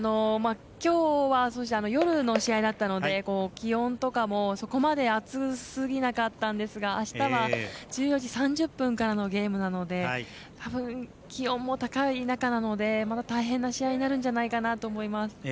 きょうは夜の試合だったので気温とかもそこまで暑すぎなかったんですがあしたは１４時３０分からのゲームなのでたぶん、気温も高い中なので大変な試合になるんじゃないかなと思います。